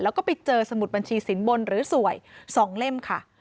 แล้วก็ไปเจอสมุดบัญชีสินบนหรือสวย๒เล่มค่ะ